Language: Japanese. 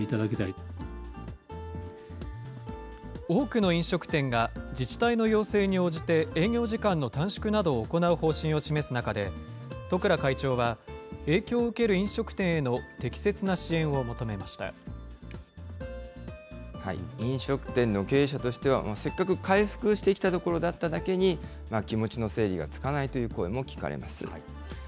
多くの飲食店が、自治体の要請に応じて営業時間の短縮などを行う方針を示す中で、十倉会長は、影響を受ける飲食店への適切な支飲食店の経営者としては、せっかく回復してきたところだっただけに、気持ちの整理がつかないという声も聞かれます。